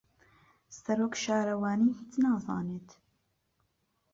سەرۆک شارەوانی هیچ نازانێت.